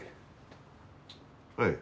はい。